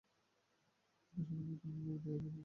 ভদ্রসমাজে তুমি মুখ দেখাইবে কী বলিয়া।